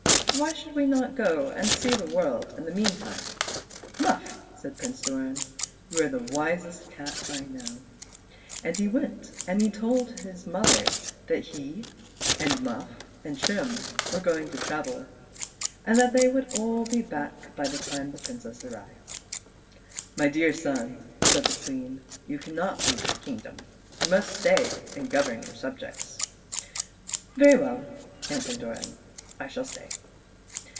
Why should we not go and see the world in the meantime }"" Muff," said Prince Doran, ''you are the wisest cat I know." And he went and told his mother that he, Muff, and Trim, were going to travel, and that they would all be back by the time the Princess arrived. " My dear son," said the Queen, ")'ou cannot leave your kingdom. You must sta\' and govern your sub jects." " Very well," answered Doran, " I shall sta}'."